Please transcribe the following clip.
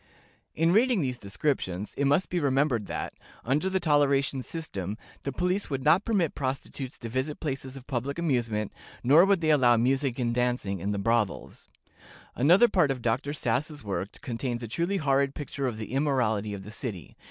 In reading these descriptions, it must be remembered that, under the toleration system, the police would not permit prostitutes to visit places of public amusement, nor would they allow music and dancing in the brothels. Another part of Dr. Sass's work contains a truly horrid picture of the immorality of the city.